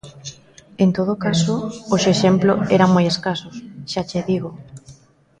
En todo caso, os exemplo eran moi escasos, xa che digo.